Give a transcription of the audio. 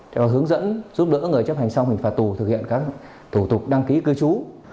cho hướng dẫn giúp đỡ người chấp hành xong hình phạt tù thực hiện các thủ tục đăng ký cư trú